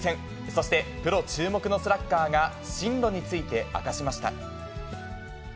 そして、プロ注目のスラッガーが、進路について明かしました。